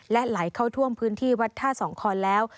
และไหลเข้าท่วมพื้นที่วัดท่าสองคอนแล้ว